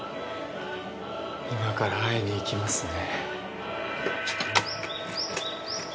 今から会いに行きますね。